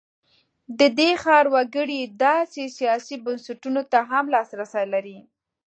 د دې ښار وګړي داسې سیاسي بنسټونو ته هم لاسرسی لري.